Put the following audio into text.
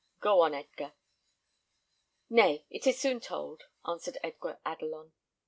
Go on, Edgar." "Nay, it is soon told," answered Edgar Adelon.